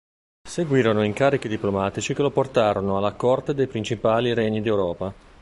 Seguirono incarichi diplomatici che lo portarono alla corte dei principali regni d'Europa.